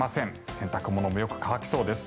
洗濯物もよく乾きそうです。